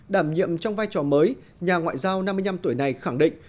đảm nhiệm trong vai trò mới nhà ngoại giao năm mươi năm tuổi này khẳng định